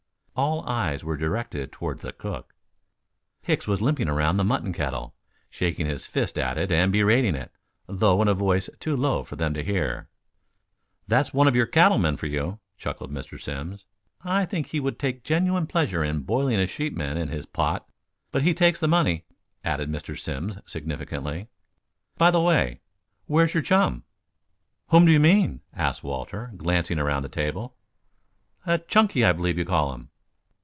All eyes were directed toward the cook. Hicks was limping around the mutton kettle, shaking his fist at it and berating it, though in a voice too low for them to hear. "That's one of your cattle men for you," chuckled Mr. Simms. "I think he would take genuine pleasure in boiling a sheepman in his pot. But he takes the money," added Mr. Simms significantly. "By the way, where's your chum?" "Whom do you mean?" asked Walter, glancing about the table. "Chunky, I believe you call him."